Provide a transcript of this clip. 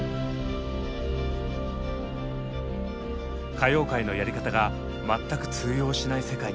歌謡界のやり方が全く通用しない世界。